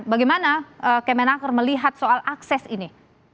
bagaimana kemena akan melihat soal akses ini